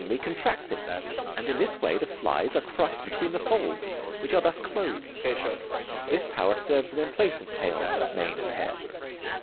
259 the flies are crushed between the folds which are thus closed. This power serves them in place of tail, mane, and hair.